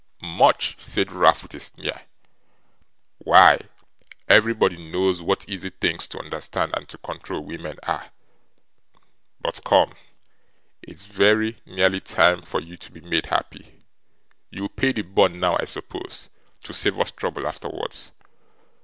'Much!' said Ralph, with a sneer. 'Why, everybody knows what easy things to understand and to control, women are. But come, it's very nearly time for you to be made happy. You'll pay the bond now, I suppose, to save us trouble afterwards.